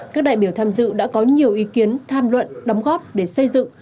các đại biểu tham dự đã có nhiều ý kiến tham luận đóng góp để xây dựng